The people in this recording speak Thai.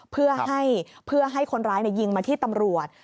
เพื่อให้คนร้ายยิงมาที่ตำรวจ